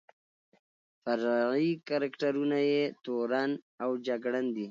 فرعي کرکټرونه یې تورن او جګړن دي.